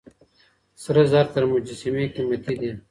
سره زر تر مجسمې قيمتي دي.